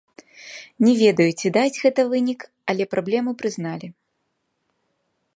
Не ведаю, ці дасць гэта вынік, але праблему прызналі.